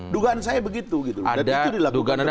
dugaan saya begitu gitu loh